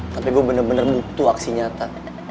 tapi gue bener bener butuh aksi nyata